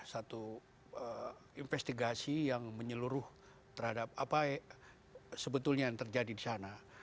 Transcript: satu investigasi yang menyeluruh terhadap apa sebetulnya yang terjadi di sana